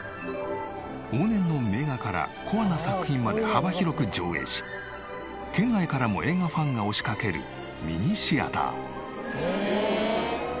往年の名画からコアな作品まで幅広く上映し県外からも映画ファンが押しかけるミニシアター。